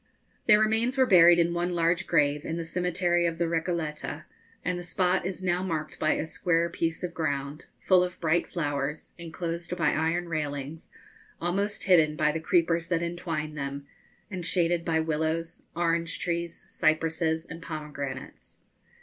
Their remains were buried in one large grave, in the cemetery of the Recoleta, and the spot is now marked by a square piece of ground, full of bright flowers, enclosed by iron railings, almost hidden by the creepers that entwine them, and shaded by willows, orange trees, cypresses, and pomegranates.